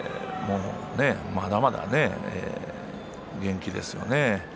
まだまだね、元気ですよね。